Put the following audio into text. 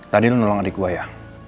tadi nolong adik gue ya